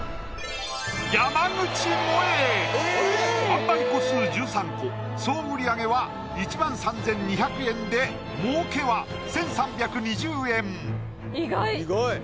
販売個数１３個総売り上げは１万３２００円で儲けは１３２０円意外！